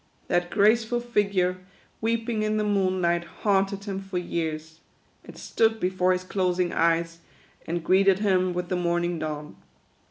That graceful figure, weeping in the moonlight, haunted him for years. It stood before his closing eyes, and greeted him with the morning dawn.